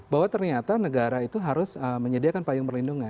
bahwa ternyata negara itu harus menyediakan payung perlindungan